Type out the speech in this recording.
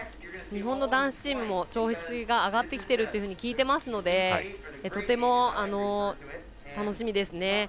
日本の男子チームも調子が上がってきていると聞いてますのでとても楽しみですね。